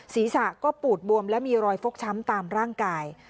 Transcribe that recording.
ศีรษะก็ปูดบวมและมีรอยฟกช้ำตามร่างกาย